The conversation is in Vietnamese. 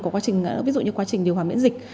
có quá trình điều hòa miễn dịch